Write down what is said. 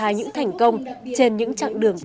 hai những thành công trên những chặng đường